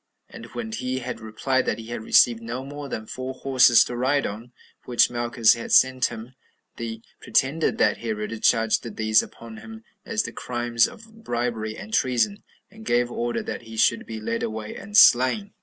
and when he had replied that he had received no more than four horses to ride on, which Malchus had sent him; they pretended that Herod charged these upon him as the crimes of bribery and treason, and gave order that he should be led away and slain.